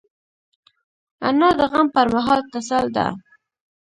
انا د غم پر مهال تسل ده